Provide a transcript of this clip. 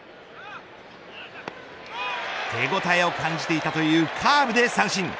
手応えを感じていたというカーブで三振。